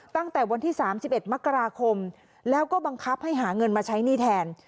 ตั้งแต่วันที่๓๑มกราคมแล้วก็บังคับให้หาเงินมาใช้หนี้แทน